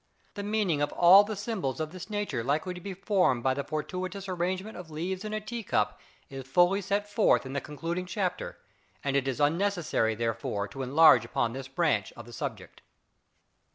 The meaning of all the symbols of this nature likely to be formed by the fortuitous arrangement of leaves in a tea cup is fully set forth in the concluding chapter; and it is unnecessary therefore to enlarge upon this branch of the subject.